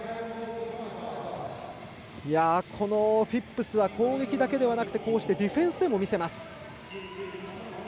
フィップスは攻撃だけではなくてディフェンスでも見せます。